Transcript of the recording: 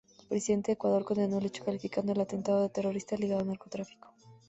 El presidente de Ecuador condenó el hecho calificándolo de "atentado terrorista ligado al narcotráfico".